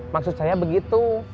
maksud saya begitu